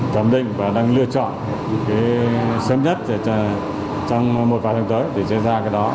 sớm nhất trong một vài tháng tới thì sẽ ra cái đó